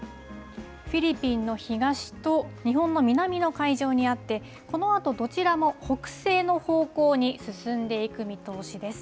フィリピンの東と日本の南の海上にあって、このあとどちらも北西の方向に進んでいく見通しです。